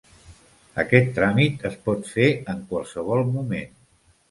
Aquest tràmit es pot fer en qualsevol moment.